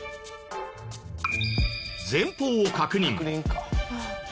前方を確認。